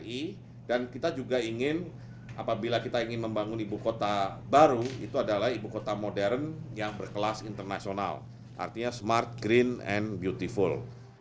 yang berkelas internasional artinya smart green and beautiful